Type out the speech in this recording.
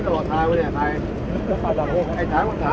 สวัสดีครับทุกคน